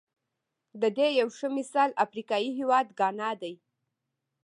د دې یو ښه مثال افریقايي هېواد ګانا دی.